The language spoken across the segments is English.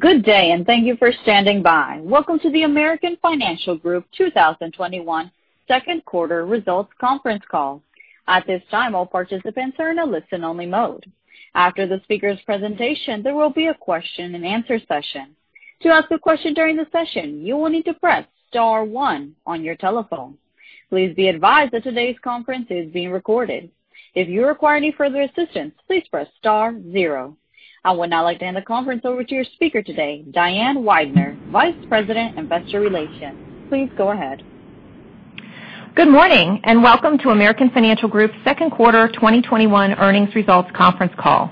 Good day, and thank you for standing by. Welcome to the American Financial Group 2021 second quarter results conference call. At this time, all participants are in a listen-only mode. After the speaker's presentation, there will be a question-and-answer session. To ask a question during the session, you will need to press star one on your telephone. Please be advised that today's conference is being recorded. If you require any further assistance, please press star zero. I would now like to hand the conference over to your speaker today, Diane Weidner, Vice President, Investor Relations. Please go ahead. Good morning, and welcome to American Financial Group's second quarter 2021 earnings results conference call.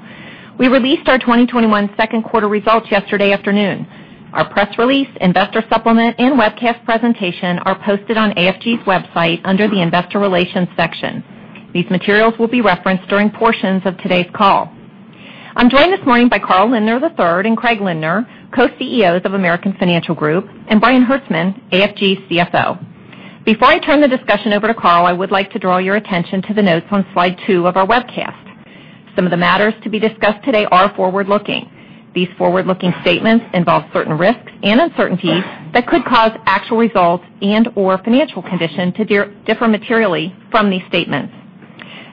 We released our 2021 second-quarter results yesterday afternoon. Our press release, investor supplement, and webcast presentation are posted on AFG's website under the Investor Relations section. These materials will be referenced during portions of today's call. I'm joined this morning by Carl Lindner III and Craig Lindner, Co-CEOs of American Financial Group, and Brian Hertzman, AFG CFO. Before I turn the discussion over to Carl, I would like to draw your attention to the notes on slide two of our webcast. Some of the matters to be discussed today are forward-looking. These forward-looking statements involve certain risks and uncertainties that could cause actual results and or financial condition to differ materially from these statements.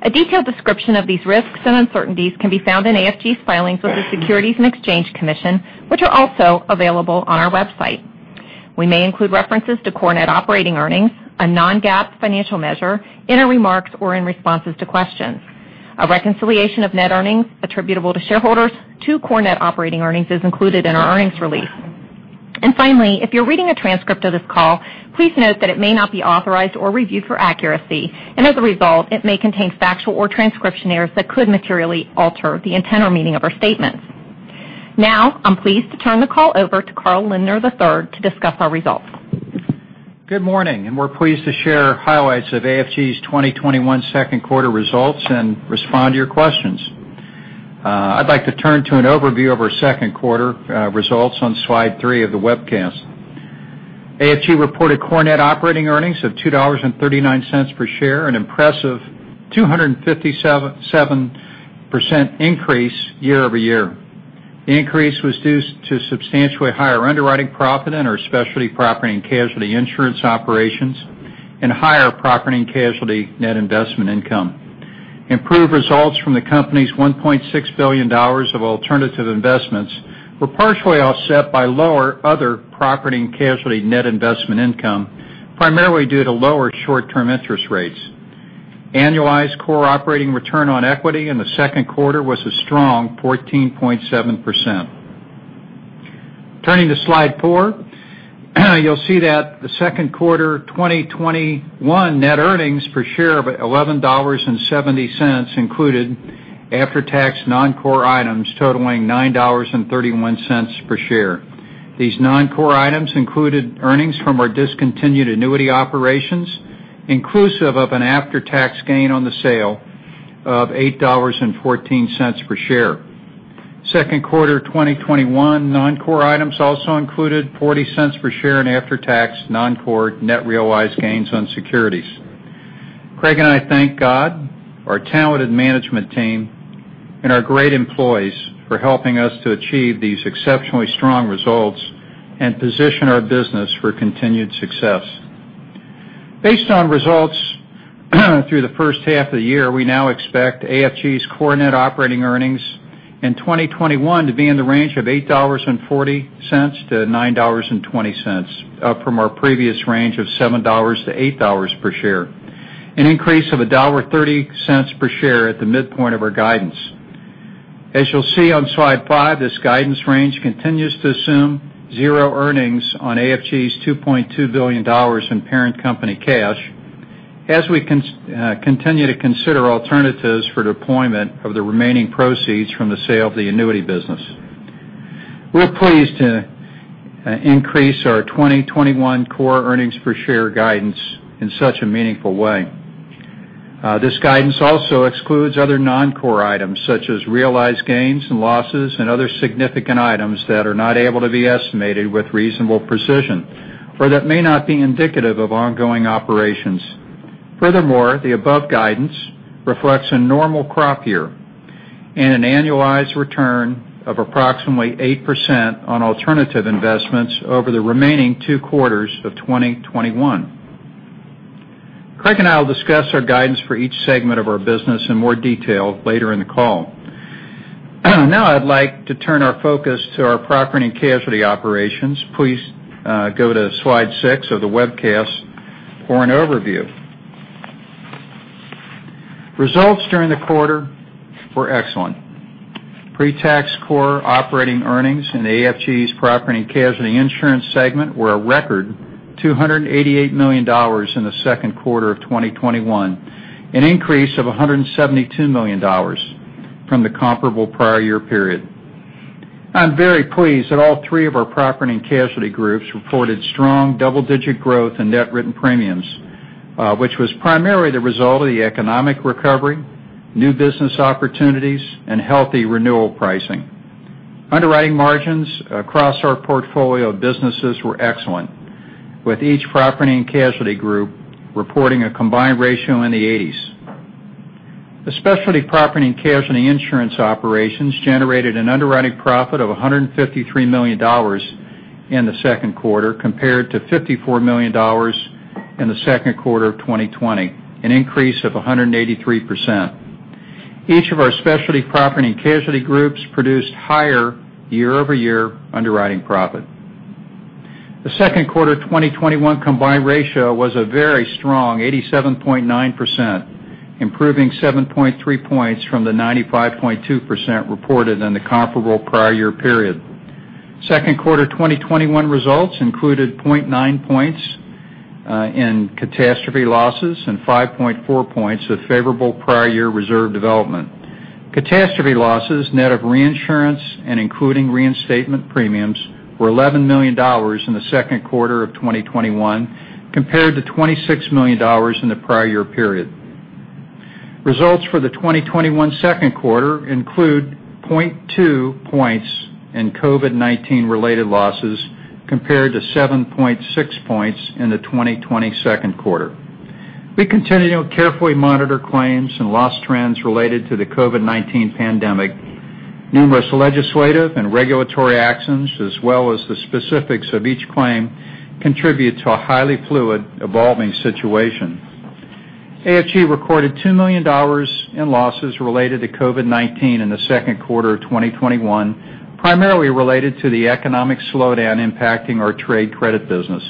A detailed description of these risks and uncertainties can be found in AFG's filings with the Securities and Exchange Commission, which are also available on our website. We may include references to core net operating earnings, a non-GAAP financial measure, in our remarks or in responses to questions. A reconciliation of net earnings attributable to shareholders to core net operating earnings is included in our earnings release. Finally, if you're reading a transcript of this call, please note that it may not be authorized or reviewed for accuracy, and as a result, it may contain factual or transcription errors that could materially alter the intent or meaning of our statements. Now, I'm pleased to turn the call over to Carl Lindner III to discuss our results. Good morning, and we're pleased to share highlights of AFG's 2021 second-quarter results and respond to your questions. I'd like to turn to an overview of our second quarter results on slide three of the webcast. AFG reported core net operating earnings of $2.39 per share, an impressive 257% increase year-over-year. The increase was due to substantially higher underwriting profit in our specialty property and casualty insurance operations and higher property and casualty net investment income. Improved results from the company's $1.6 billion of alternative investments were partially offset by lower other property and casualty net investment income, primarily due to lower short-term interest rates. Annualized core operating return on equity in the second quarter was a strong 14.7%. Turning to slide four, you'll see that the second quarter 2021 net earnings per share of $11.70 included after-tax non-core items totaling $9.31 per share. These non-core items included earnings from our discontinued annuity operations, inclusive of an after-tax gain on the sale of $8.14 per share. Second quarter 2021 non-core items also included $0.40 per share in after-tax non-core net realized gains on securities. Craig and I thank God, our talented management team, and our great employees for helping us to achieve these exceptionally strong results and position our business for continued success. Based on results through the first half of the year, we now expect AFG's core net operating earnings in 2021 to be in the range of $8.40-$9.20, up from our previous range of $7-$8 per share. An increase of $1.30 per share at the midpoint of our guidance. As you'll see on slide five, this guidance range continues to assume zero earnings on AFG's $2.2 billion in parent company cash as we continue to consider alternatives for deployment of the remaining proceeds from the sale of the annuity business. We're pleased to increase our 2021 core earnings per share guidance in such a meaningful way. This guidance also excludes other non-core items such as realized gains and losses and other significant items that are not able to be estimated with reasonable precision or that may not be indicative of ongoing operations. Furthermore, the above guidance reflects a normal crop year and an annualized return of approximately 8% on alternative investments over the remaining two quarters of 2021. Craig and I will discuss our guidance for each segment of our business in more detail later in the call. Now I'd like to turn our focus to our property and casualty operations. Please go to slide six of the webcast for an overview. Results during the quarter were excellent. Pre-tax core operating earnings in AFG's property and casualty insurance segment were a record $288 million in the second quarter of 2021, an increase of $172 million from the comparable prior year period. I'm very pleased that all three of our property and casualty groups reported strong double-digit growth in net written premiums, which was primarily the result of the economic recovery, new business opportunities, and healthy renewal pricing. Underwriting margins across our portfolio of businesses were excellent, with each property and casualty group reporting a combined ratio in the 80s. The specialty property and casualty insurance operations generated an underwriting profit of $153 million in the second quarter compared to $54 million in the second quarter of 2020, an increase of 183%. Each of our specialty property and casualty groups produced higher year-over-year underwriting profit. The second quarter 2021 combined ratio was a very strong 87.9%, improving 7.3 points from the 95.2% reported in the comparable prior year period. Second quarter 2021 results included 0.9 points in catastrophe losses and 5.4 points of favorable prior year reserve development. Catastrophe losses, net of reinsurance and including reinstatement premiums, were $11 million in the second quarter of 2021 compared to $26 million in the prior year period. Results for the 2021 second quarter include 0.2 points in COVID-19 related losses compared to 7.6 points in the 2020 second quarter. We continue to carefully monitor claims and loss trends related to the COVID-19 pandemic. Numerous legislative and regulatory actions, as well as the specifics of each claim, contribute to a highly fluid, evolving situation. AFG recorded $2 million in losses related to COVID-19 in the second quarter of 2021, primarily related to the economic slowdown impacting our trade credit business.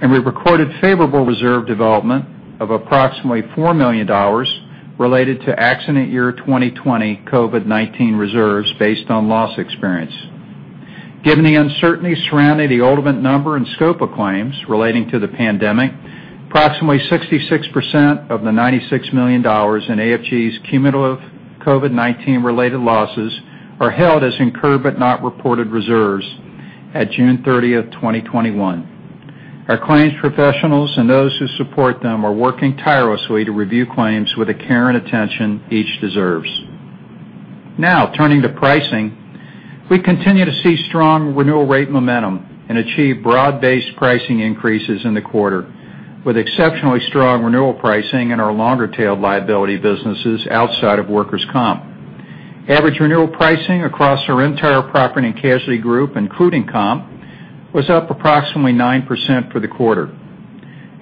We recorded favorable reserve development of approximately $4 million related to accident year 2020 COVID-19 reserves based on loss experience. Given the uncertainty surrounding the ultimate number and scope of claims relating to the pandemic, approximately 66% of the $96 million in AFG's cumulative COVID-19 related losses are held as incurred but not reported reserves at June 30, 2021. Our claims professionals and those who support them are working tirelessly to review claims with the care and attention each deserves. Now, turning to pricing. We continue to see strong renewal rate momentum and achieve broad-based pricing increases in the quarter, with exceptionally strong renewal pricing in our longer-tailed liability businesses outside of workers' comp. Average renewal pricing across our entire property and casualty group, including comp, was up approximately 9% for the quarter.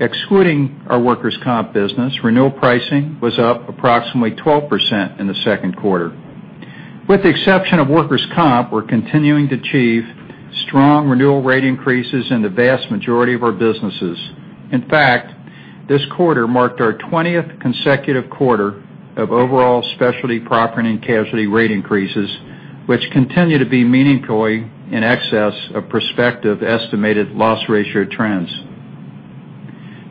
Excluding our workers' comp business, renewal pricing was up approximately 12% in the second quarter. With the exception of workers' comp, we're continuing to achieve strong renewal rate increases in the vast majority of our businesses. In fact, this quarter marked our 20th consecutive quarter of overall specialty property and casualty rate increases, which continue to be meaningfully in excess of prospective estimated loss ratio trends.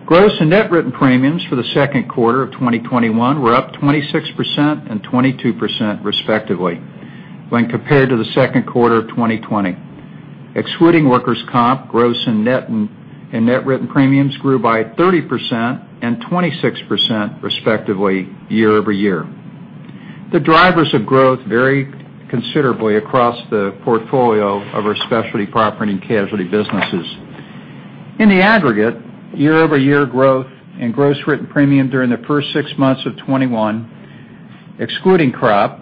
Gross and net written premiums for the second quarter of 2021 were up 26% and 22% respectively when compared to the second quarter of 2020. Excluding workers' comp, gross and net written premiums grew by 30% and 26% respectively year-over-year. The drivers of growth vary considerably across the portfolio of our specialty property and casualty businesses. In the aggregate, year-over-year growth in gross written premium during the first six months of 2021, excluding crop,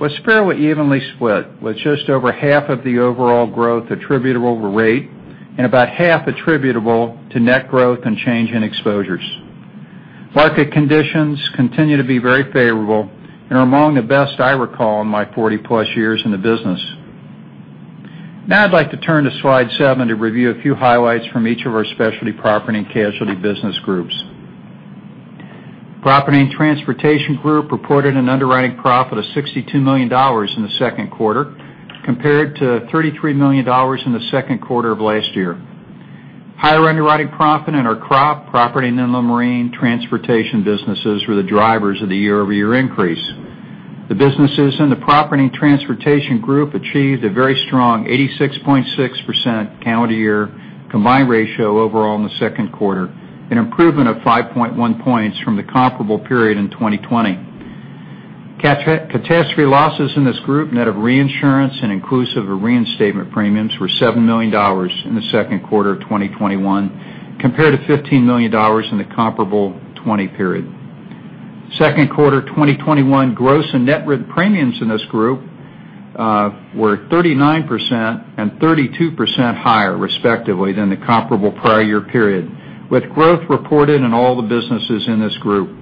was fairly evenly split, with just over half of the overall growth attributable to rate and about half attributable to net growth and change in exposures. Market conditions continue to be very favorable and are among the best I recall in my 40-plus years in the business. Now I'd like to turn to slide seven to review a few highlights from each of our specialty property and casualty business groups. Property and Transportation Group reported an underwriting profit of $62 million in the second quarter compared to $33 million in the second quarter of last year. Higher underwriting profit in our crop, property and inland marine transportation businesses were the drivers of the year-over-year increase. The businesses in the Property and Transportation Group achieved a very strong 86.6% calendar year combined ratio overall in the second quarter, an improvement of 5.1 points from the comparable period in 2020. Catastrophe losses in this group, net of reinsurance and inclusive of reinstatement premiums, were $7 million in the second quarter of 2021 compared to $15 million in the comparable 2020 period. Second quarter 2021 gross and net written premiums in this group were 39% and 32% higher, respectively, than the comparable prior year period, with growth reported in all the businesses in this group.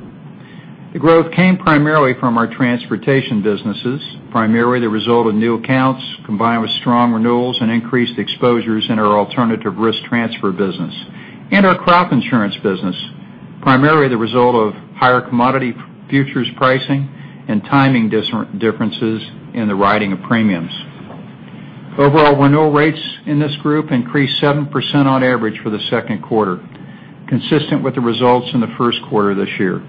The growth came primarily from our transportation businesses, primarily the result of new accounts combined with strong renewals and increased exposures in our alternative risk transfer business and our crop insurance business, primarily the result of higher commodity futures pricing and timing differences in the writing of premiums. Overall renewal rates in this group increased 7% on average for the second quarter, consistent with the results in the first quarter of this year.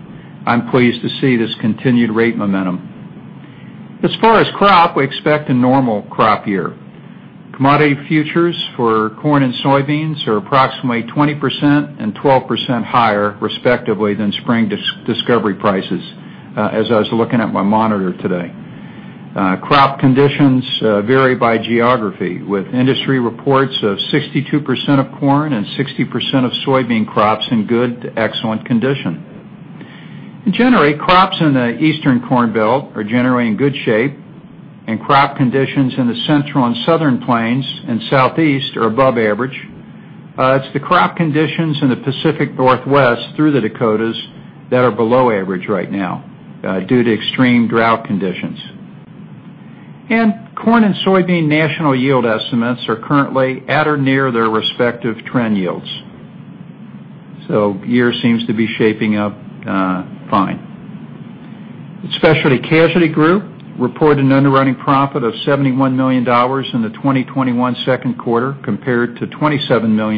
I'm pleased to see this continued rate momentum. As far as crop, we expect a normal crop year. Commodity futures for corn and soybeans are approximately 20% and 12% higher, respectively, than spring discovery prices as I was looking at my monitor today. Crop conditions vary by geography, with industry reports of 62% of corn and 60% of soybean crops in good to excellent condition. In general, crops in the Eastern Corn Belt are generally in good shape, and crop conditions in the Central and Southern Plains and Southeast are above average. It's the crop conditions in the Pacific Northwest through the Dakotas that are below average right now due to extreme drought conditions. Corn and soybean national yield estimates are currently at or near their respective trend yields. The year seems to be shaping up fine. The Specialty Casualty Group reported an underwriting profit of $71 million in the 2021 second quarter, compared to $27 million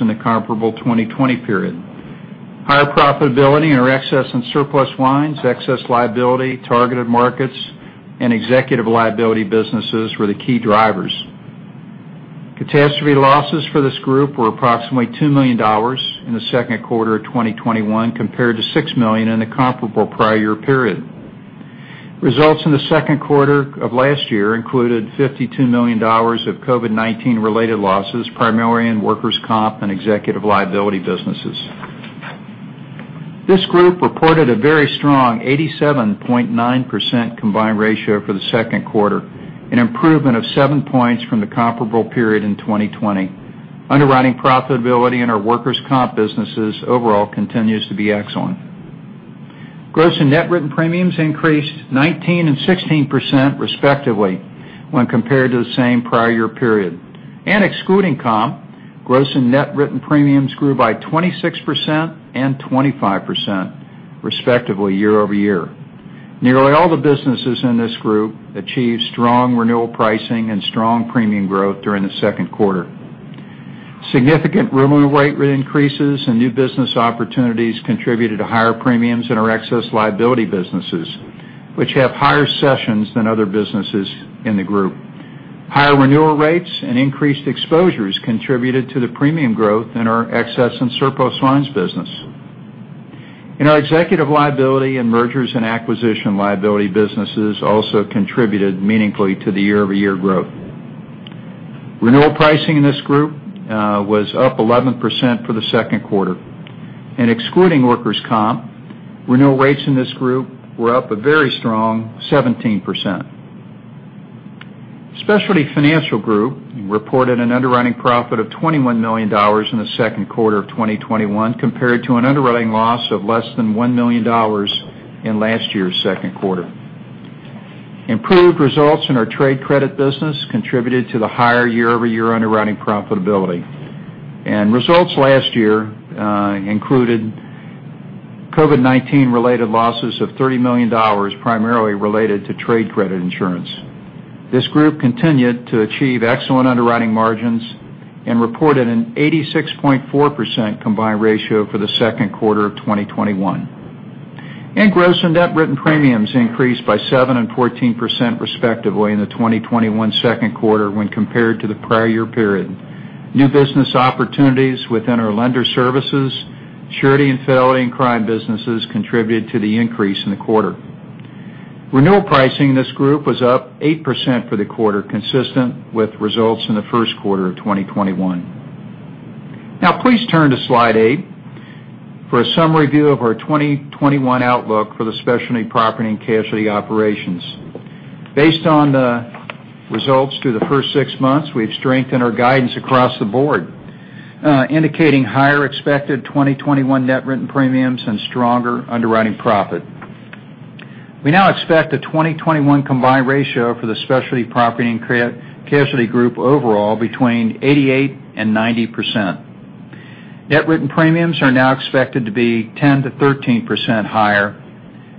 in the comparable 2020 period. Higher profitability in our excess and surplus lines, excess liability, targeted markets, and executive liability businesses were the key drivers. Catastrophe losses for this group were approximately $2 million in the second quarter of 2021, compared to $6 million in the comparable prior year period. Results in the second quarter of last year included $52 million of COVID-19 related losses, primarily in workers' comp and executive liability businesses. This group reported a very strong 87.9% combined ratio for the second quarter, an improvement of seven points from the comparable period in 2020. Underwriting profitability in our workers' comp businesses overall continues to be excellent. Gross and net written premiums increased 19% and 16% respectively when compared to the same prior year period. Excluding comp, gross and net written premiums grew by 26% and 25% respectively year-over-year. Nearly all the businesses in this group achieved strong renewal pricing and strong premium growth during the second quarter. Significant renewal rate increases and new business opportunities contributed to higher premiums in our excess liability businesses, which have higher cessions than other businesses in the group. Higher renewal rates and increased exposures contributed to the premium growth in our excess and surplus lines business. Our executive liability and mergers and acquisition liability businesses also contributed meaningfully to the year-over-year growth. Renewal pricing in this group was up 11% for the second quarter. Excluding workers' comp, renewal rates in this group were up a very strong 17%. Specialty Financial Group reported an underwriting profit of $21 million in the second quarter of 2021, compared to an underwriting loss of less than $1 million in last year's second quarter. Improved results in our trade credit business contributed to the higher year-over-year underwriting profitability. Results last year included COVID-19 related losses of $30 million, primarily related to trade credit insurance. This group continued to achieve excellent underwriting margins and reported an 86.4% combined ratio for the second quarter of 2021. Gross and net written premiums increased by 7% and 14% respectively in the 2021 second quarter when compared to the prior year period. New business opportunities within our lender services, surety and fidelity and crime businesses contributed to the increase in the quarter. Renewal pricing in this group was up 8% for the quarter, consistent with results in the first quarter of 2021. Please turn to slide eight for a summary view of our 2021 outlook for the Specialty Property and Casualty operations. Based on the results through the first six months, we've strengthened our guidance across the board, indicating higher expected 2021 net written premiums and stronger underwriting profit. We now expect a 2021 combined ratio for the Specialty Property and Casualty group overall between 88% and 90%. Net written premiums are now expected to be 10% to 13% higher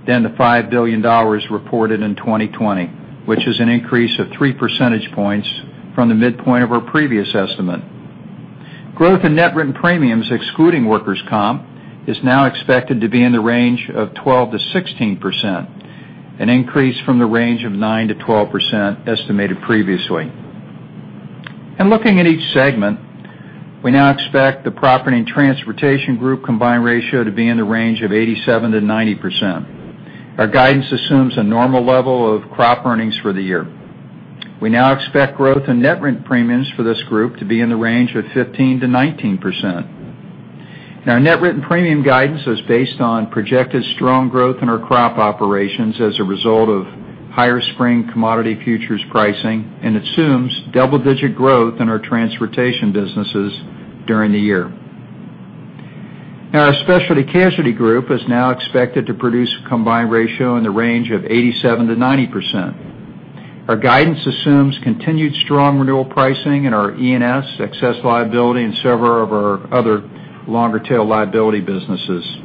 than the $5 billion reported in 2020, which is an increase of three percentage points from the midpoint of our previous estimate. Growth in net written premiums, excluding workers' comp, is now expected to be in the range of 12% to 16%, an increase from the range of 9% to 12% estimated previously. Looking at each segment, we now expect the Property and Transportation group combined ratio to be in the range of 87% to 90%. Our guidance assumes a normal level of crop earnings for the year. We now expect growth in net written premiums for this group to be in the range of 15% to 19%. Our net written premium guidance is based on projected strong growth in our crop operations as a result of higher spring commodity futures pricing and assumes double digit growth in our transportation businesses during the year. Our Specialty Casualty group is now expected to produce a combined ratio in the range of 87% to 90%. Our guidance assumes continued strong renewal pricing in our E&S, excess liability, and several of our other longer tail liability businesses.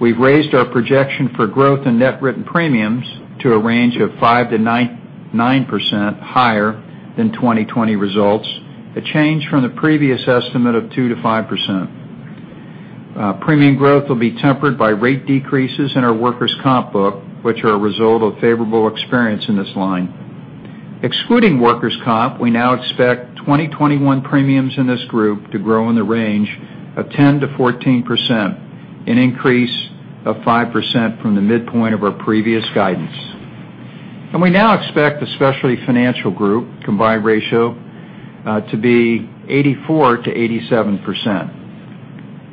We've raised our projection for growth in net written premiums to a range of 5% to 9% higher than 2020 results, a change from the previous estimate of 2% to 5%. Premium growth will be tempered by rate decreases in our workers' comp book, which are a result of favorable experience in this line. Excluding workers' comp, we now expect 2021 premiums in this group to grow in the range of 10% to 14%, an increase of 5% from the midpoint of our previous guidance. We now expect the Specialty Financial Group combined ratio to be 84% to 87%.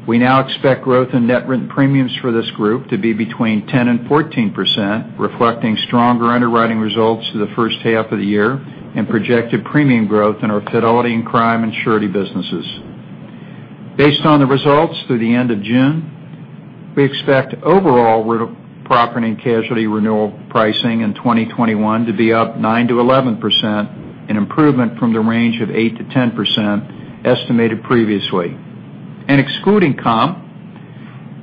We now expect growth in net written premiums for this group to be between 10% and 14%, reflecting stronger underwriting results for the first half of the year and projected premium growth in our fidelity and crime and surety businesses. Based on the results through the end of June, we expect overall property and casualty renewal pricing in 2021 to be up 9% to 11%, an improvement from the range of 8% to 10% estimated previously. Excluding comp,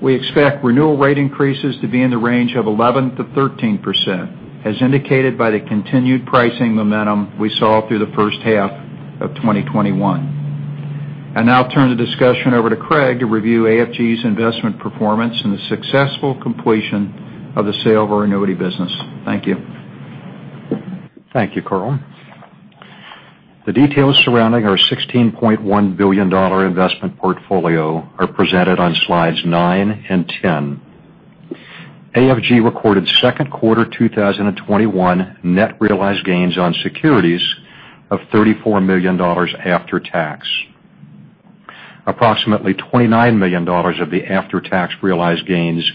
we expect renewal rate increases to be in the range of 11%-13%, as indicated by the continued pricing momentum we saw through the first half of 2021. I now turn the discussion over to Craig to review AFG's investment performance and the successful completion of the sale of our annuity business. Thank you. Thank you, Carl. The details surrounding our $16.1 billion investment portfolio are presented on slides nine and 10. AFG recorded second quarter 2021 net realized gains on securities of $34 million after tax. Approximately $29 million of the after-tax realized gains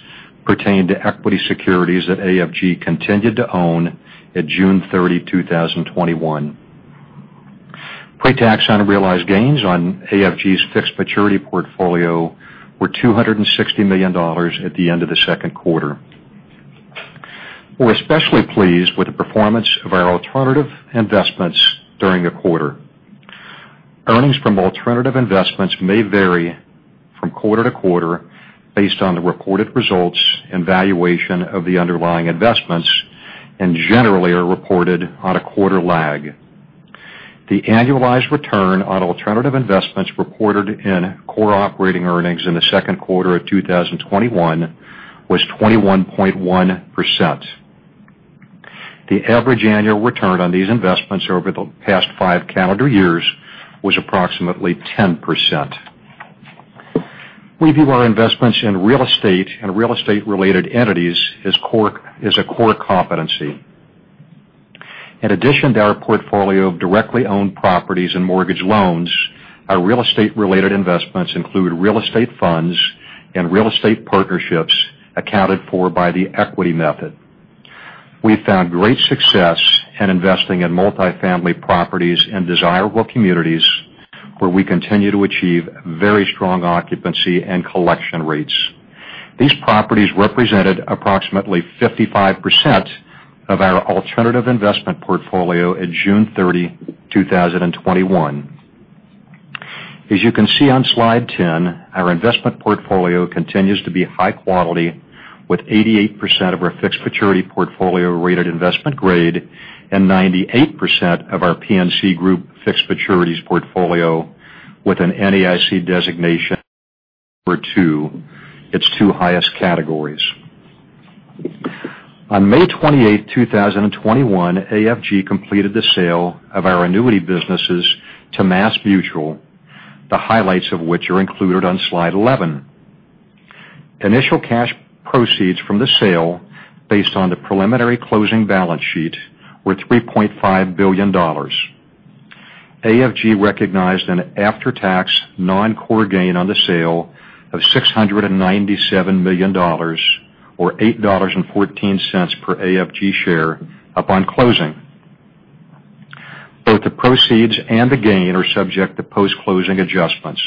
pertain to equity securities that AFG continued to own at June 30, 2021. Pre-tax unrealized gains on AFG's fixed maturity portfolio were $260 million at the end of the second quarter. We're especially pleased with the performance of our alternative investments during the quarter. Earnings from alternative investments may vary from quarter to quarter based on the reported results and valuation of the underlying investments, and generally are reported on a quarter lag. The annualized return on alternative investments reported in core operating earnings in the second quarter of 2021 was 21.1%. The average annual return on these investments over the past five calendar years was approximately 10%. We view our investments in real estate and real estate-related entities as a core competency. In addition to our portfolio of directly owned properties and mortgage loans, our real estate-related investments include real estate funds and real estate partnerships accounted for by the equity method. We found great success in investing in multi-family properties in desirable communities where we continue to achieve very strong occupancy and collection rates. These properties represented approximately 55% of our alternative investment portfolio at June 30, 2021. As you can see on slide 10, our investment portfolio continues to be high quality, with 88% of our fixed maturity portfolio rated investment grade and 98% of our P&C group fixed maturities portfolio with an NAIC designation of 1 or 2, its two highest categories. On May 28, 2021, AFG completed the sale of our annuity businesses to MassMutual, the highlights of which are included on slide 11. Initial cash proceeds from the sale, based on the preliminary closing balance sheet, were $3.5 billion. AFG recognized an after-tax non-core gain on the sale of $697 million, or $8.14 per AFG share upon closing. Both the proceeds and the gain are subject to post-closing adjustments.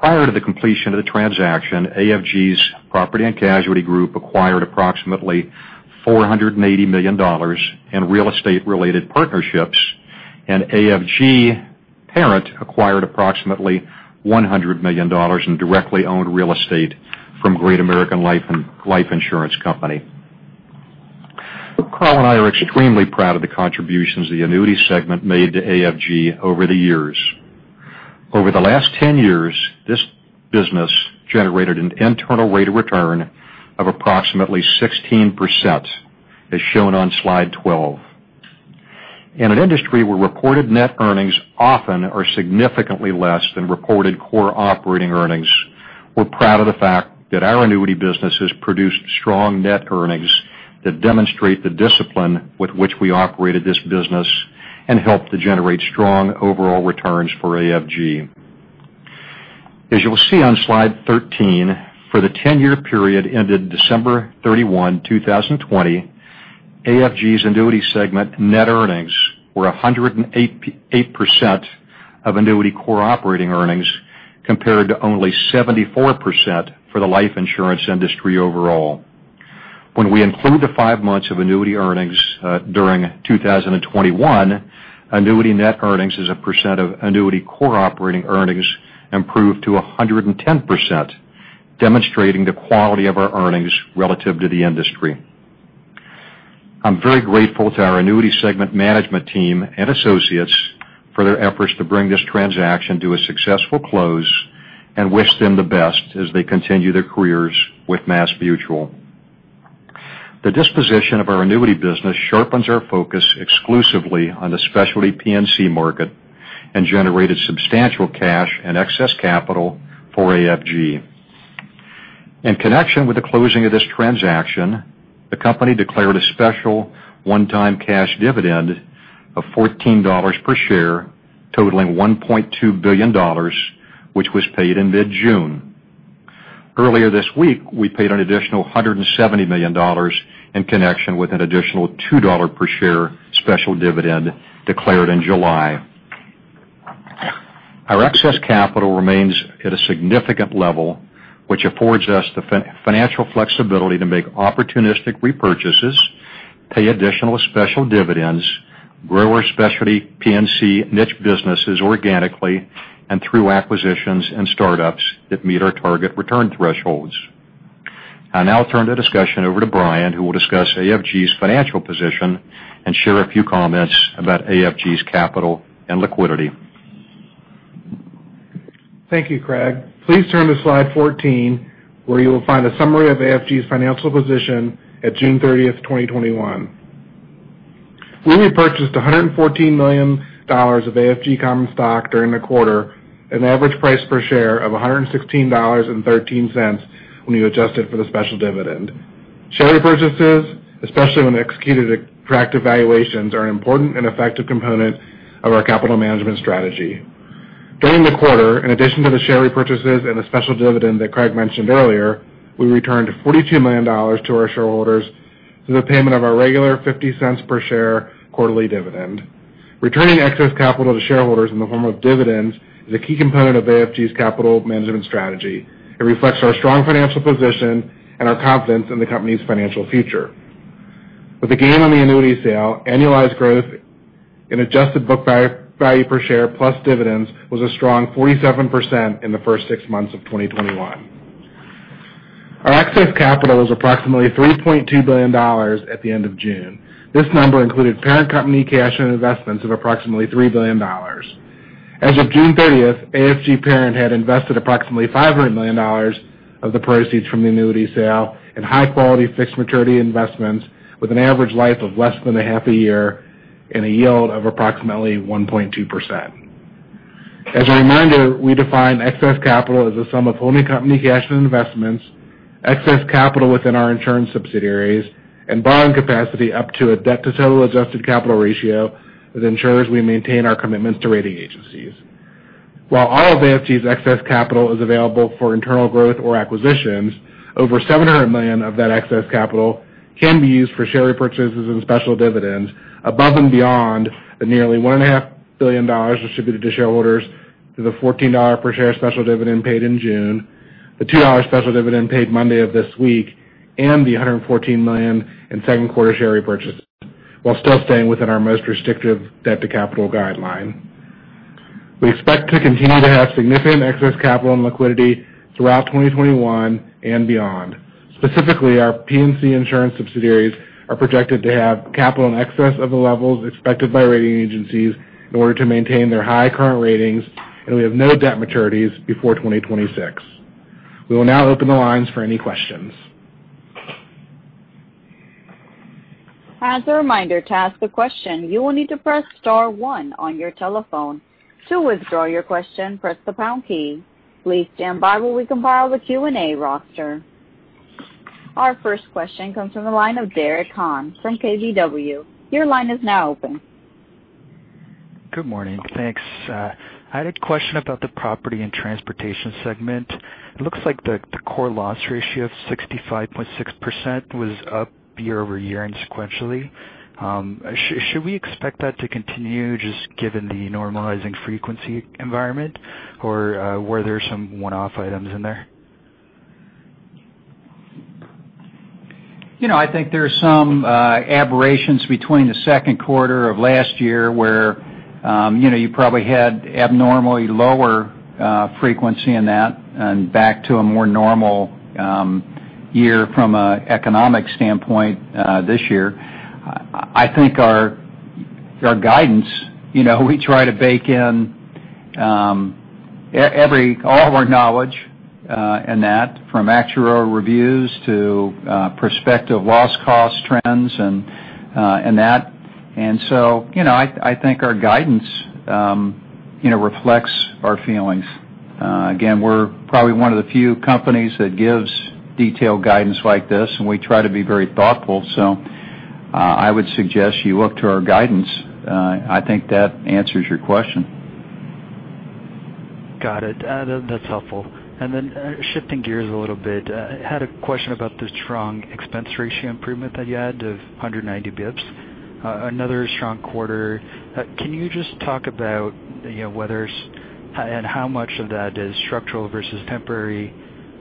Prior to the completion of the transaction, AFG's property and casualty group acquired approximately $480 million in real estate-related partnerships, and AFG Parent acquired approximately $100 million in directly owned real estate from Great American Life Insurance Company. Carl and I are extremely proud of the contributions the annuity segment made to AFG over the years. Over the last 10 years, this business generated an internal rate of return of approximately 16%, as shown on slide 12. In an industry where reported net earnings often are significantly less than reported core operating earnings, we're proud of the fact that our annuity businesses produced strong net earnings that demonstrate the discipline with which we operated this business and helped to generate strong overall returns for AFG. As you'll see on slide 13, for the 10-year period ended December 31, 2020, AFG's annuity segment net earnings were 108% of annuity core operating earnings, compared to only 74% for the life insurance industry overall. When we include the five months of annuity earnings during 2021, annuity net earnings as a percent of annuity core operating earnings improved to 110%, demonstrating the quality of our earnings relative to the industry. I'm very grateful to our annuity segment management team and associates for their efforts to bring this transaction to a successful close and wish them the best as they continue their careers with MassMutual. The disposition of our annuity business sharpens our focus exclusively on the specialty P&C market and generated substantial cash and excess capital for AFG. In connection with the closing of this transaction, the company declared a special one-time cash dividend of $14 per share, totaling $1.2 billion, which was paid in mid-June. Earlier this week, we paid an additional $170 million in connection with an additional $2 per share special dividend declared in July. Our excess capital remains at a significant level, which affords us the financial flexibility to make opportunistic repurchases, pay additional special dividends, grow our specialty P&C niche businesses organically and through acquisitions and startups that meet our target return thresholds. I'll now turn the discussion over to Brian, who will discuss AFG's financial position and share a few comments about AFG's capital and liquidity. Thank you, Craig. Please turn to slide 14, where you will find a summary of AFG's financial position at June 30th, 2021. We repurchased $114 million of AFG common stock during the quarter at an average price per share of $116.13 when you adjust it for the special dividend. Share repurchases, especially when executed at attractive valuations, are an important and effective component of our capital management strategy. During the quarter, in addition to the share repurchases and the special dividend that Craig mentioned earlier, we returned $42 million to our shareholders through the payment of our regular $0.50 per share quarterly dividend. Returning excess capital to shareholders in the form of dividends is a key component of AFG's capital management strategy. It reflects our strong financial position and our confidence in the company's financial future. With the gain on the annuity sale, annualized growth in adjusted book value per share plus dividends was a strong 47% in the first six months of 2021. Our excess capital was approximately $3.2 billion at the end of June. This number included parent company cash and investments of approximately $3 billion. As of June 30th, AFG Parent had invested approximately $500 million of the proceeds from the annuity sale in high-quality fixed maturity investments with an average life of less than a half a year and a yield of approximately 1.2%. As a reminder, we define excess capital as a sum of holding company cash and investments, excess capital within our insurance subsidiaries, and borrowing capacity up to a debt to total adjusted capital ratio that ensures we maintain our commitments to rating agencies. All of AFG's excess capital is available for internal growth or acquisitions, over $700 million of that excess capital can be used for share repurchases and special dividends above and beyond the nearly $1.5 billion distributed to shareholders through the $14 per share special dividend paid in June, the $2 special dividend paid Monday of this week, and the $114 million in second quarter share repurchases while still staying within our most restrictive debt-to-capital guideline. We expect to continue to have significant excess capital and liquidity throughout 2021 and beyond. Specifically, our P&C insurance subsidiaries are projected to have capital in excess of the levels expected by rating agencies in order to maintain their high current ratings, and we have no debt maturities before 2026. We will now open the lines for any questions. As a reminder, to ask a question, you will need to press star one on your telephone. To withdraw your question, press the pound key. Please stand by while we compile the Q&A roster. Our first question comes from the line of Derek Han from KBW. Your line is now open. Good morning. Thanks. I had a question about the Property and Transportation segment. It looks like the core loss ratio of 65.6% was up year-over-year and sequentially. Should we expect that to continue just given the normalizing frequency environment or were there some one-off items in there? I think there are some aberrations between the second quarter of last year where you probably had abnormally lower frequency in that and back to a more normal year from an economic standpoint this year. I think our guidance, we try to bake in all of our knowledge in that, from actuary reviews to prospective loss cost trends and that. I think our guidance reflects our feelings. Again, we're probably one of the few companies that gives detailed guidance like this, and we try to be very thoughtful, so I would suggest you look to our guidance. I think that answers your question. Got it. That's helpful. Shifting gears a little bit, I had a question about the strong expense ratio improvement that you had of 190 basis points, another strong quarter. Can you just talk about whether and how much of that is structural versus temporary?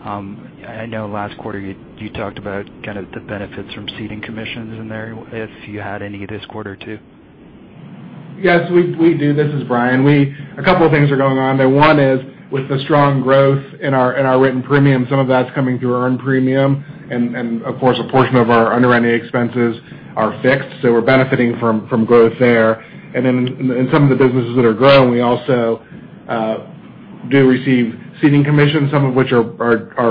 I know last quarter you talked about kind of the benefits from ceding commissions in there, if you had any this quarter too. Yes, we do. This is Brian. A couple of things are going on there. One is with the strong growth in our written premium, some of that's coming through earned premium and, of course, a portion of our underwriting expenses are fixed, so we're benefiting from growth there. In some of the businesses that are growing, we also do receive ceding commissions, some of which are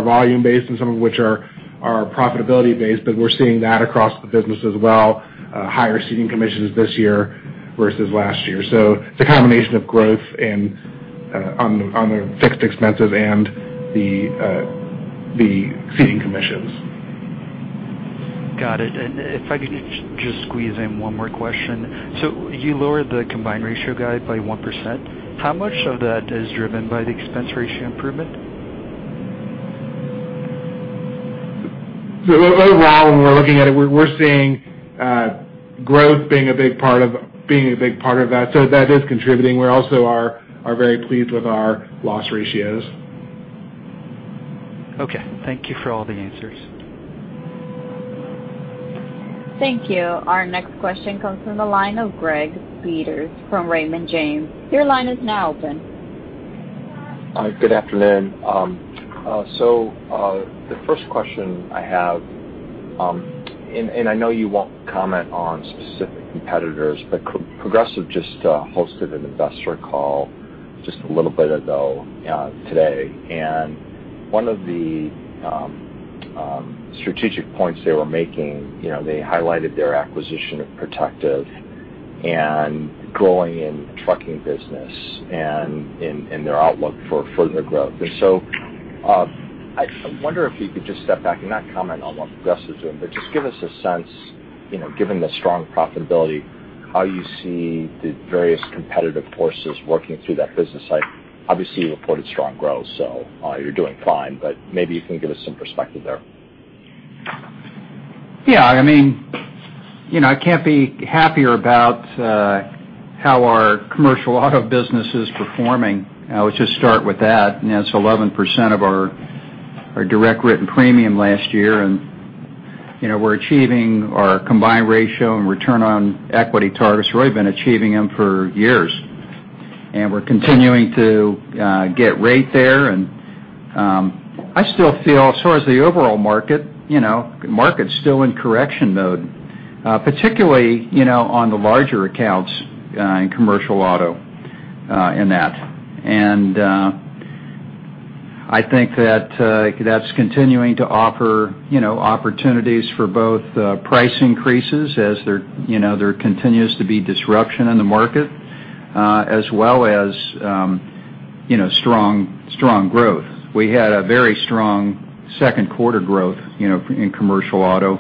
volume-based and some of which are profitability-based, but we're seeing that across the business as well, higher ceding commissions this year versus last year. It's a combination of growth on the fixed expenses and the ceding commissions. Got it. If I could just squeeze in one more question. You lowered the combined ratio guide by 1%. How much of that is driven by the expense ratio improvement? Overall, when we're looking at it, we're seeing growth being a big part of that. That is contributing. We also are very pleased with our loss ratios. Okay. Thank you for all the answers. Thank you. Our next question comes from the line of Greg Peters from Raymond James. Your line is now open. Good afternoon. The first question I have, I know you won't comment on specific competitors, Progressive just hosted an investor call just a little bit ago today. One of the strategic points they were making, they highlighted their acquisition of Protective and growing in the trucking business and in their outlook for further growth. I wonder if you could just step back and not comment on what Progressive's doing, but just give us a sense, given the strong profitability, how you see the various competitive forces working through that business. Obviously, you reported strong growth, so you're doing fine, but maybe you can give us some perspective there. Yeah. I can't be happier about how our commercial auto business is performing. Let's just start with that. It's 11% of our direct written premium last year. We're achieving our combined ratio and return on equity targets. We've really been achieving them for years. We're continuing to get rate there. I still feel as far as the overall market, the market's still in correction mode, particularly on the larger accounts in commercial auto in that. I think that's continuing to offer opportunities for both price increases as there continues to be disruption in the market, as well as strong growth. We had a very strong second quarter growth in commercial auto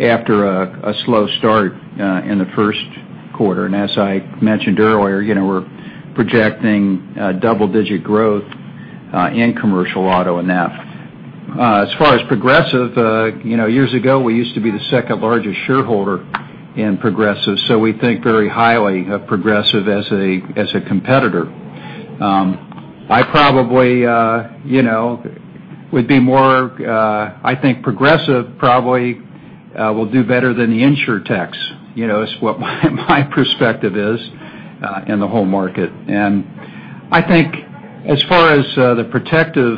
after a slow start in the first quarter. As I mentioned earlier, we're projecting double-digit growth in commercial auto in that. As far as Progressive, years ago, we used to be the second largest shareholder in Progressive, so we think very highly of Progressive as a competitor. I think Progressive probably will do better than the Insurtechs, is what my perspective is in the whole market. I think as far as the Protective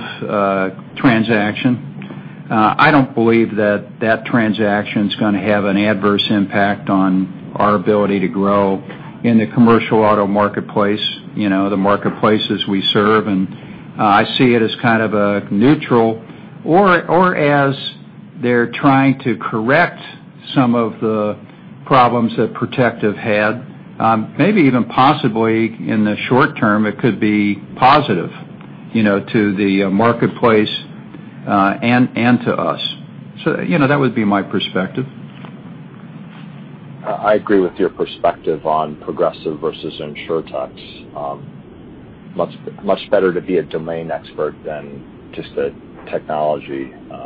transaction, I don't believe that transaction's going to have an adverse impact on our ability to grow in the commercial auto marketplace, the marketplaces we serve, and I see it as kind of a neutral. As they're trying to correct some of the problems that Protective had, maybe even possibly in the short term, it could be positive to the marketplace and to us. That would be my perspective. I agree with your perspective on Progressive versus Insurtechs. Much better to be a domain expert than just a technology play.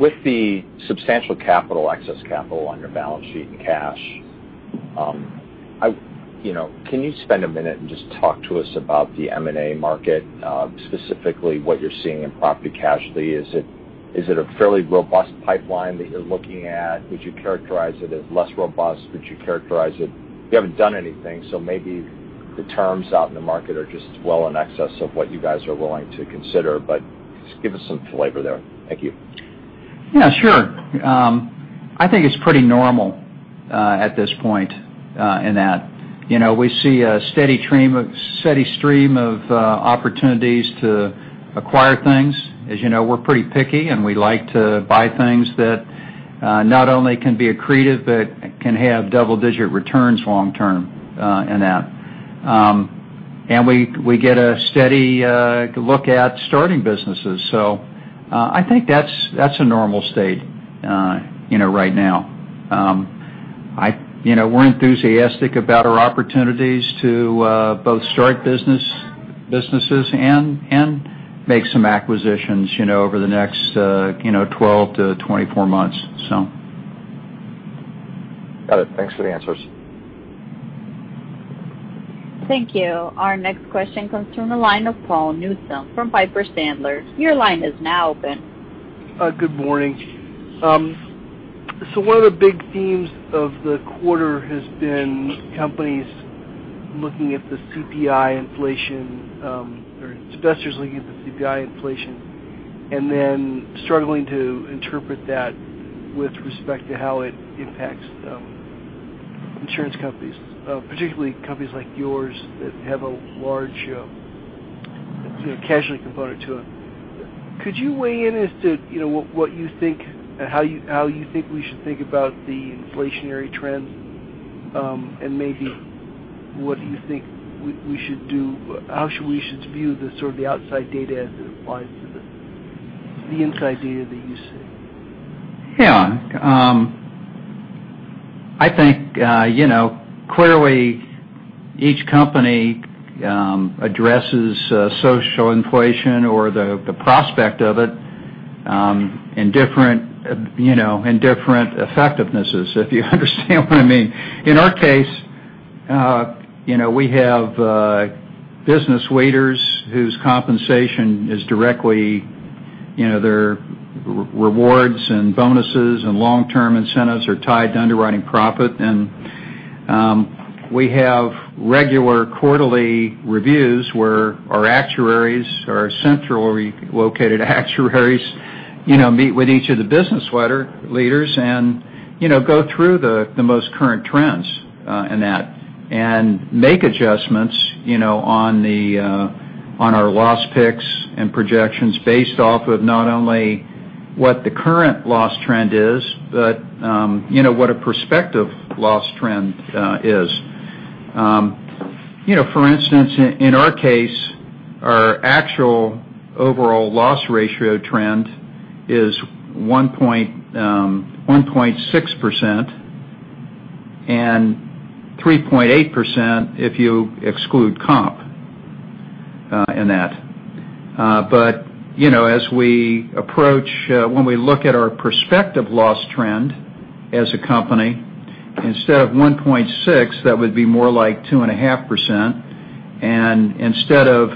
With the substantial capital, excess capital on your balance sheet and cash, can you spend a minute and just talk to us about the M&A market, specifically what you're seeing in Property and Casualty? Is it a fairly robust pipeline that you're looking at? Would you characterize it as less robust? You haven't done anything, so maybe the terms out in the market are just well in excess of what you guys are willing to consider, but just give us some flavor there. Thank you. Yeah, sure. I think it's pretty normal at this point in that we see a steady stream of opportunities to acquire things. As you know, we're pretty picky, and we like to buy things that not only can be accretive, but can have double-digit returns long term in that. We get a steady look at starting businesses. I think that's a normal state right now. We're enthusiastic about our opportunities to both start businesses and make some acquisitions over the next 12 to 24 months, so. Got it. Thanks for the answers. Thank you. Our next question comes from the line of Paul Newsome from Piper Sandler. Your line is now open. Good morning. One of the big themes of the quarter has been companies looking at the CPI inflation, or investors looking at the CPI inflation struggling to interpret that with respect to how it impacts insurance companies, particularly companies like yours that have a large casualty component to it. Could you weigh in as to what you think and how you think we should think about the inflationary trends? Maybe what do you think we should do? How should we view the sort of outside data as it applies to the inside data that you see? Yeah. I think, clearly, each company addresses social inflation or the prospect of it in different effectivenesses, if you understand what I mean. In our case, we have business leaders whose compensation is directly their rewards and bonuses and long-term incentives are tied to underwriting profit. We have regular quarterly reviews where our actuaries, our centrally located actuaries, meet with each of the business leaders and go through the most current trends in that, and make adjustments on our loss picks and projections based off of not only what the current loss trend is, but what a prospective loss trend is. For instance, in our case, our actual overall loss ratio trend is 1.6% and 3.8% if you exclude comp in that. When we look at our prospective loss trend as a company, instead of 1.6%, that would be more like 2.5%, and instead of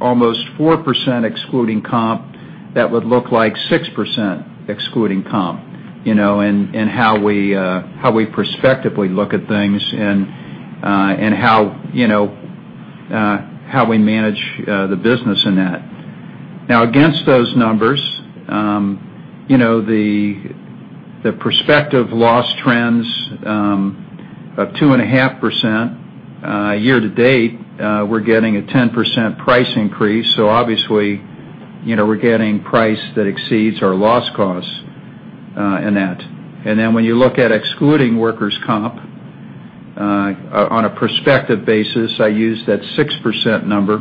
almost 4% excluding workers' comp, that would look like 6% excluding workers' comp, in how we prospectively look at things and how we manage the business in that. Against those numbers, the prospective loss trends of 2.5% year to date, we're getting a 10% price increase. Obviously, we're getting price that exceeds our loss costs in that. When you look at excluding workers' comp on a prospective basis, I use that 6% number,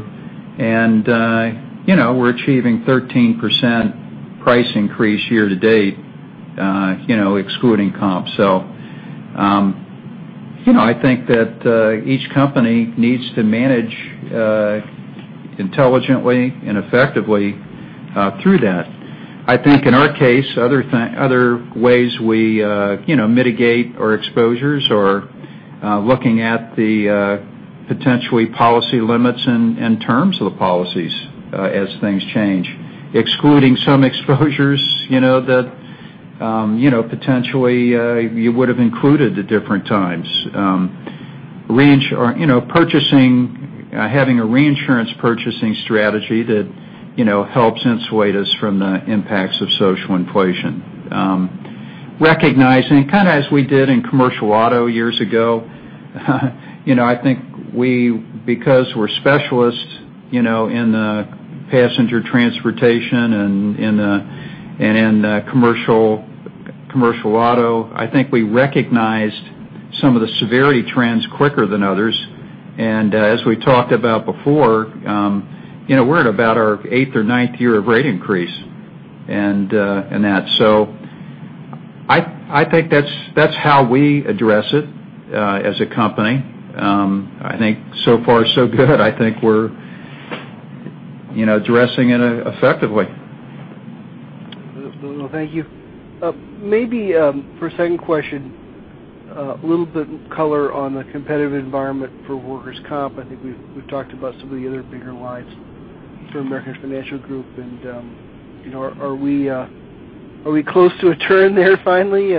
and we're achieving 13% price increase year to date excluding workers' comp. I think that each company needs to manage intelligently and effectively through that. I think in our case, other ways we mitigate our exposures are looking at the potentially policy limits and terms of the policies as things change. Excluding some exposures that potentially you would've included at different times. Having a reinsurance purchasing strategy that helps insulate us from the impacts of social inflation. Recognizing, kind of as we did in commercial auto years ago, I think because we're specialists in the passenger transportation and in the commercial auto, I think we recognized some of the severity trends quicker than others. As we talked about before, we're at about our eighth or ninth year of rate increase in that. I think that's how we address it as a company. I think so far so good. I think we're addressing it effectively. Thank you. Maybe for a second question, a little bit color on the competitive environment for workers' comp. I think we've talked about some of the other bigger lines for American Financial Group. Are we close to a turn there finally?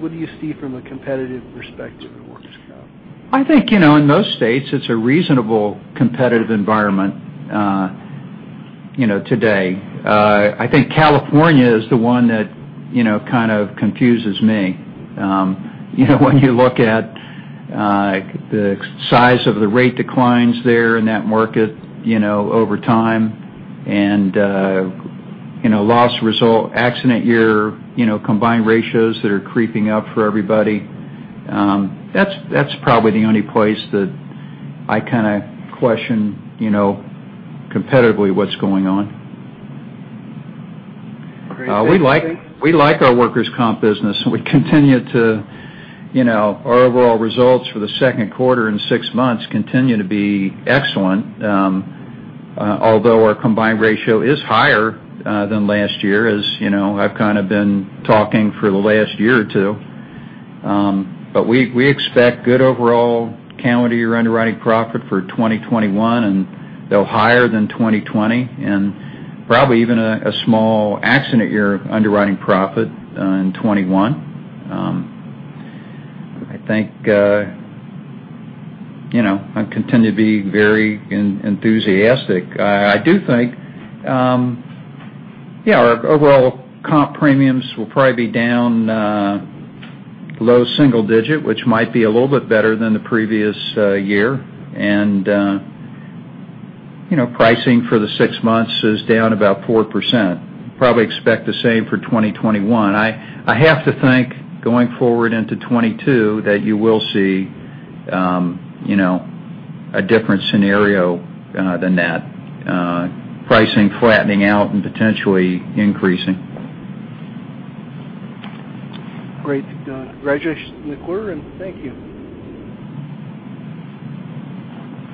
What do you see from a competitive perspective in workers' comp? I think, in most states, it's a reasonable competitive environment today. I think California is the one that kind of confuses me. When you look at the size of the rate declines there in that market over time and loss result, accident year combined ratios that are creeping up for everybody. That's probably the only place that I kind of question competitively what's going on. Great. Thank you. We like our workers' comp business, and Our overall results for the second quarter and six months continue to be excellent. Although our combined ratio is higher than last year, as you know, I've kind of been talking for the last year or two. We expect good overall calendar year underwriting profit for 2021, and they're higher than 2020, and probably even a small accident year underwriting profit in 2021. I think I continue to be very enthusiastic. I do think our overall comp premiums will probably be down low single digit, which might be a little bit better than the previous year. Pricing for the six months is down about 4%. Probably expect the same for 2021. I have to think, going forward into 2022, that you will see a different scenario than that. Pricing flattening out and potentially increasing. Great. Congratulations on the quarter, and thank you.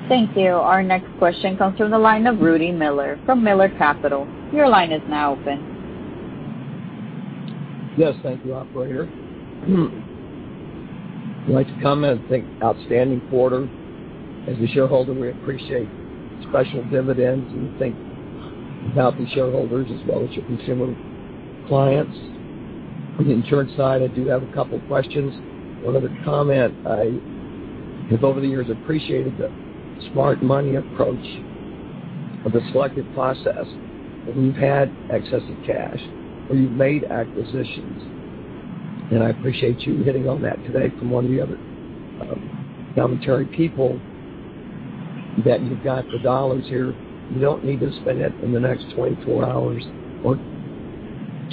Thank you. Our next question comes from the line of Rudy Miller from Miller Capital. Your line is now open. Yes. Thank you, operator. I'd like to comment, I think outstanding quarter. As a shareholder, we appreciate special dividends and we think about the shareholders as well as your consumer clients. On the insurance side, I do have a couple questions. One other comment, I have over the years appreciated the smart money approach of the selective process when you've had excessive cash, where you've made acquisitions. I appreciate you hitting on that today from one of the other commentary people, that you've got the dollars here. You don't need to spend it in the next 24 hours or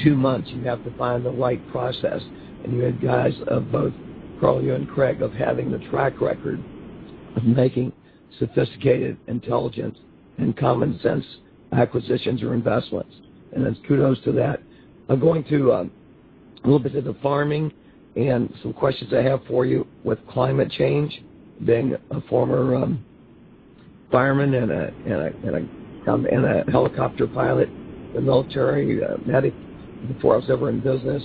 two months. You have to find the right process, and you have guys of both Carl and Craig of having the track record of making sophisticated, intelligent, and common sense acquisitions or investments. Kudos to that. I'm going to a little bit of the farming and some questions I have for you with climate change. Being a former fireman and a helicopter pilot in the military, a medic before I was ever in business,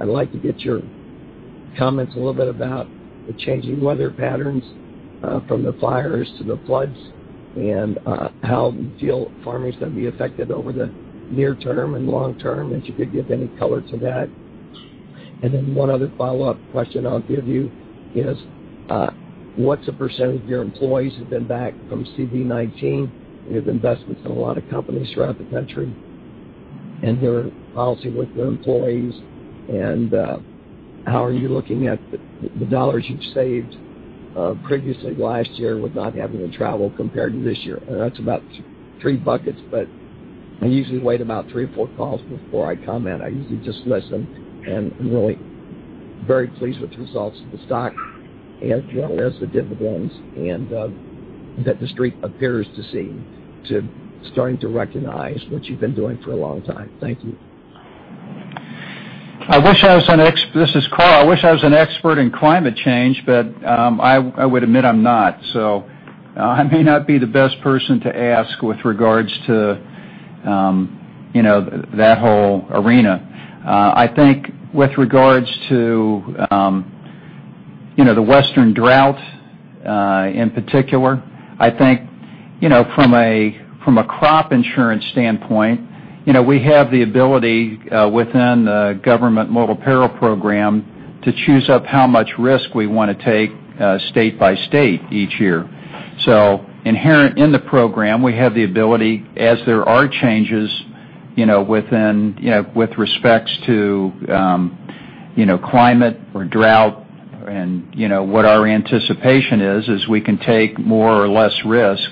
I'd like to get your comments a little bit about the changing weather patterns, from the fires to the floods, and how you feel farming's going to be affected over the near term and long term, and if you could give any color to that. Then one other follow-up question I'll give you is, what's the % of your employees who've been back from COVID-19? You have investments in a lot of companies throughout the country and their policy with their employees. How are you looking at the dollars you've saved previously last year with not having to travel compared to this year? That's about three buckets, but I usually wait about three or four calls before I comment. I usually just listen, and I'm really very pleased with the results of the stock as well as the dividends, and that The Street appears to seem to starting to recognize what you've been doing for a long time. Thank you. This is Carl. I wish I was an expert in climate change, but I would admit I'm not, so I may not be the best person to ask with regards to that whole arena. I think with regards to the Western drought, in particular, I think from a crop insurance standpoint, we have the ability within the government multiple peril program to choose up how much risk we want to take state by state each year. Inherent in the program, we have the ability as there are changes with respects to climate or drought and what our anticipation is we can take more or less risk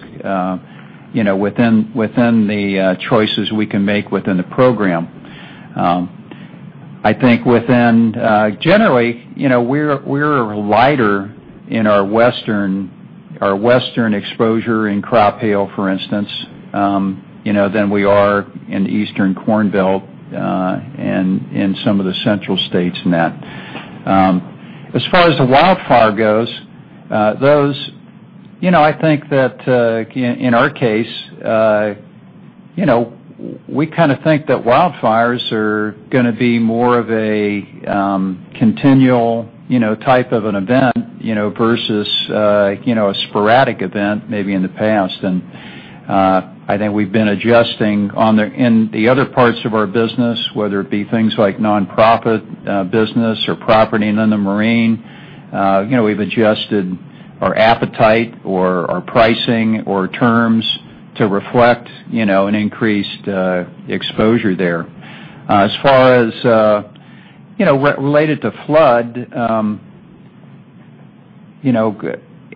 within the choices we can make within the program. I think generally, we're lighter in our Western exposure in crop hail, for instance, than we are in the Eastern Corn Belt, and in some of the central states in that. As far as the wildfire goes, I think that in our case we kind of think that wildfires are going to be more of a continual type of an event versus a sporadic event maybe in the past. I think we've been adjusting in the other parts of our business, whether it be things like nonprofit business or property and in the marine. We've adjusted our appetite or our pricing or terms to reflect an increased exposure there. As far as related to flood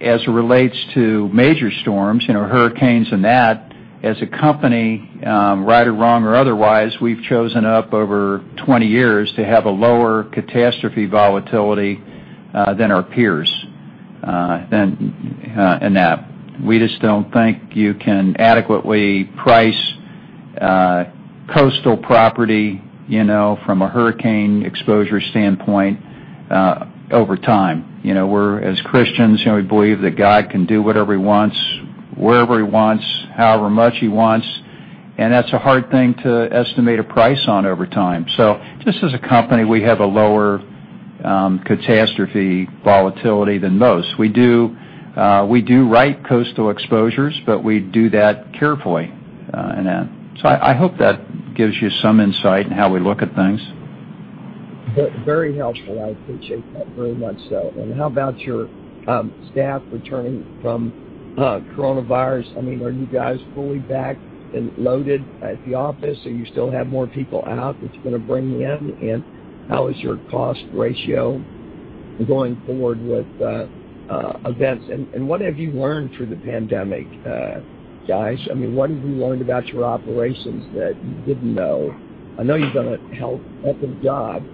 as it relates to major storms, hurricanes, and that, as a company, right or wrong or otherwise, we've chosen up over 20 years to have a lower catastrophe volatility than our peers in that. We just don't think you can adequately price coastal property from a hurricane exposure standpoint over time. As Christians, we believe that God can do whatever he wants, wherever he wants, however much he wants, that's a hard thing to estimate a price on over time. Just as a company, we have a lower catastrophe volatility than most. We do write coastal exposures, but we do that carefully. I hope that gives you some insight in how we look at things. Very helpful. I appreciate that very much so. How about your staff returning from COVID-19? Are you guys fully back and loaded at the office, or you still have more people out that you're going to bring in? How is your cost ratio going forward with events? What have you learned through the pandemic, guys? What have you learned about your operations that you didn't know? I know you've done a heck of a job.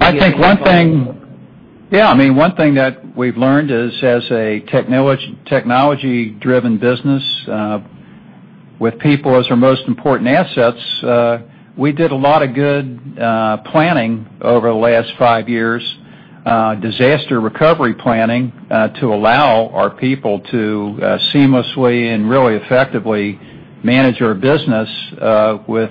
I think one thing that we've learned is, as a technology-driven business with people as our most important assets, we did a lot of good planning over the last five years, disaster recovery planning, to allow our people to seamlessly and really effectively manage our business with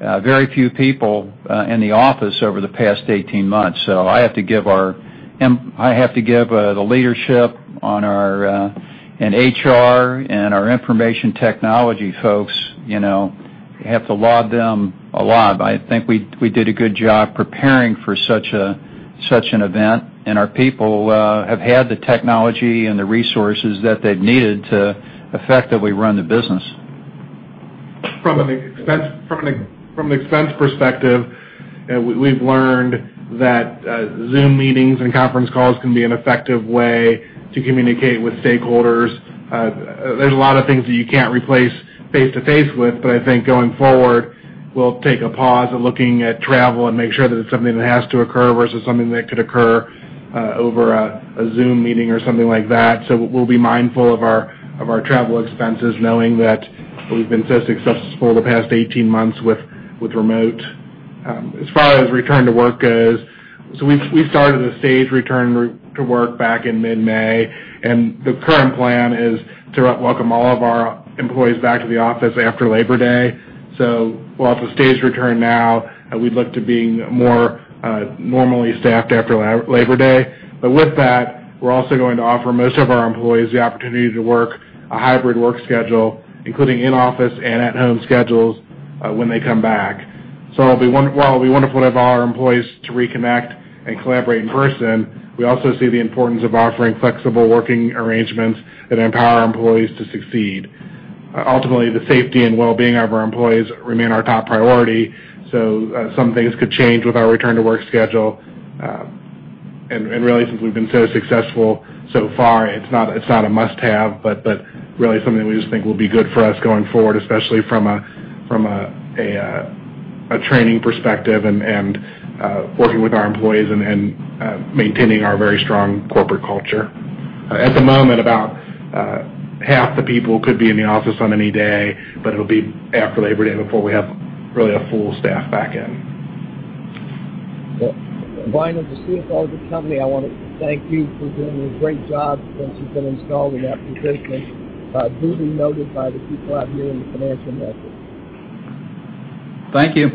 very few people in the office over the past 18 months. I have to give the leadership in HR and our information technology folks, have to laud them a lot. I think we did a good job preparing for such an event, and our people have had the technology and the resources that they've needed to effectively run the business. From an expense perspective, we've learned that Zoom meetings and conference calls can be an effective way to communicate with stakeholders. There's a lot of things that you can't replace face-to-face with. I think going forward, we'll take a pause at looking at travel and make sure that it's something that has to occur versus something that could occur over a Zoom meeting or something like that. We'll be mindful of our travel expenses, knowing that we've been so successful the past 18 months with remote. As far as return to work goes, we started a staged return to work back in mid-May, and the current plan is to welcome all of our employees back to the office after Labor Day. We're at the staged return now, and we look to being more normally staffed after Labor Day. With that, we're also going to offer most of our employees the opportunity to work a hybrid work schedule, including in-office and at-home schedules when they come back. While we want to put up all our employees to reconnect and collaborate in person, we also see the importance of offering flexible working arrangements that empower employees to succeed. Ultimately, the safety and well-being of our employees remain our top priority, some things could change with our return to work schedule. Really, since we've been so successful so far, it's not a must-have, but really something we just think will be good for us going forward, especially from a training perspective and working with our employees and maintaining our very strong corporate culture. At the moment, about half the people could be in the office on any day, but it'll be after Labor Day before we have really a full staff back in. Well, Brian, as the CFO of the company, I want to thank you for doing a great job since you've been installed in that position. Duly noted by the people out here in the financial markets. Thank you.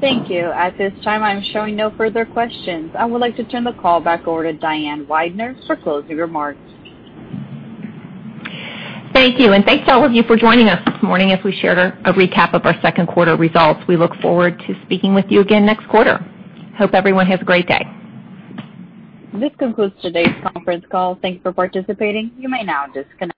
Thank you. At this time, I'm showing no further questions. I would like to turn the call back over to Diane Weidner for closing remarks. Thank you, and thanks to all of you for joining us this morning as we shared a recap of our second quarter results. We look forward to speaking with you again next quarter. Hope everyone has a great day. This concludes today's conference call. Thanks for participating. You may now disconnect.